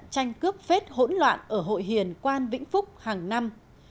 tranh cướp phết hỗn loạn ở hội hiền quan vĩnh phúc hàng năm